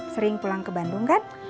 sering pulang ke bandung kan